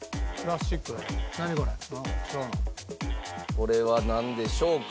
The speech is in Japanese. これはなんでしょうか？